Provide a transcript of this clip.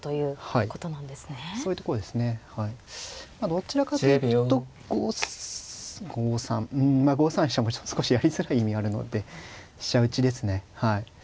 どちらかというと５三うん５三飛車も少しやりづらい意味があるので飛車打ちですねはい。